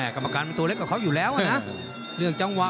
กรรมการมันตัวเล็กกว่ากรรมการอยู่แล้วนะ